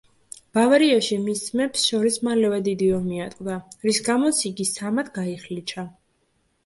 ბავარიაში მის ძმებს შორის მალევე დიდი ომი ატყდა, რის გამოც იგი სამად გაიხლიჩა.